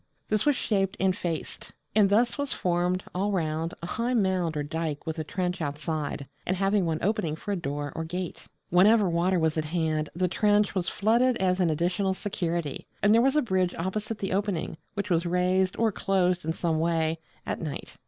This was shaped and faced; and thus was formed, all round, a high mound or dyke with a trench outside, and having one opening for a door or gate. Whenever water was at hand the trench was flooded as an additional security: and there was a bridge opposite the opening, which was raised, or closed in some way, at night.